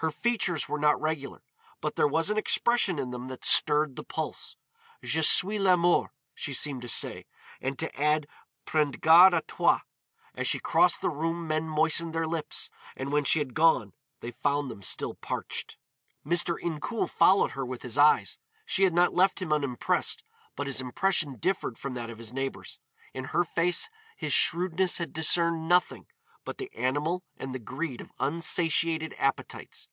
Her features were not regular, but there was an expression in them that stirred the pulse. "Je suis l'Amour," she seemed to say, and to add "prends garde à toi." As she crossed the room men moistened their lips, and when she had gone they found them still parched. Mr. Incoul followed her with his eyes. She had not left him unimpressed, but his impression differed from that of his neighbors. In her face his shrewdness had discerned nothing but the animal and the greed of unsatiated appetites.